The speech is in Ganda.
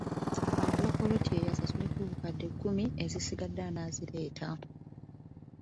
Agula ppoloti eyo asasuleko obukadde kkumi ezisigadde anaazireeta.